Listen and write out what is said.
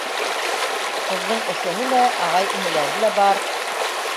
Ҡыҙҙың әсәһе лә, ағай-энеләре лә бар.